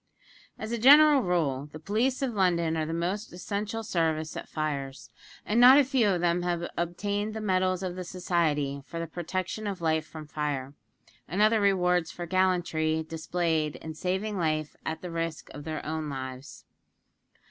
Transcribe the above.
As a general rule, the police of London are of the most essential service at fires; and not a few of them have obtained the medals of the Society for the protection of life from fire, and other rewards for gallantry displayed in saving life at the risk of their own lives.